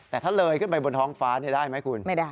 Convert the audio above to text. แต่ถ้าเลยขึ้นไปบนท้องฟ้าได้ไหมคุณ